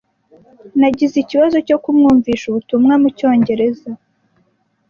Nagize ikibazo cyo kumwumvisha ubutumwa mucyongereza.